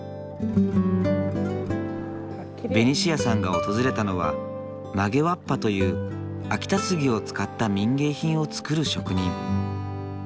ベニシアさんが訪れたのは曲げわっぱという秋田杉を使った民芸品を作る職人。